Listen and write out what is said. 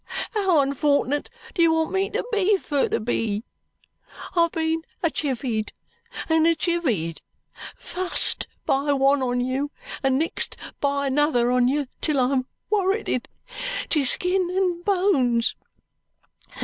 How unfortnet do you want me fur to be? I've been a chivied and a chivied, fust by one on you and nixt by another on you, till I'm worritted to skins and bones.